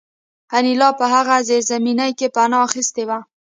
انیلا په هغه زیرزمینۍ کې پناه اخیستې وه